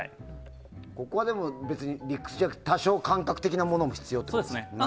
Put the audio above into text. ここはでも、理屈じゃなくて多少、感覚的なものも必要ということですね。